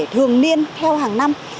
thường niên theo hàng năm